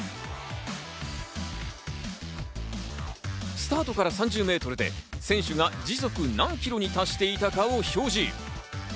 スタートから３０ｍで選手が時速何キロに達していたかを表示。